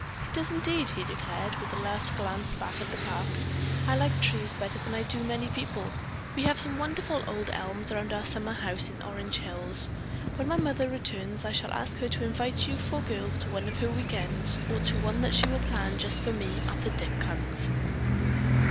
"It does, indeed," he declared with a last glance back at the park. "I like trees better than I do many people. We have some wonderful old elms around our summer home in the Orange Hills. When my mother returns I shall ask her to invite you four girls to one of her week ends, or to one that she will plan just for me, after Dick comes."